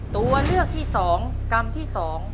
ตัวเลือกที่๒กำที่๒